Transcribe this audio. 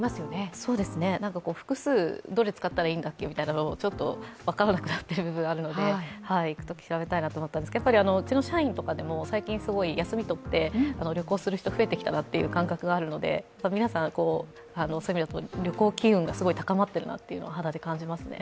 複数、どれ使ったらいいんだっけと分からなくなった部分があるので行くとき調べたいと思ったんですけど、うちの社員とかでも最近すごい休み取って旅行する人増えてきたなという感覚があるので皆さん、旅行機運が高まっているのを肌で感じますね。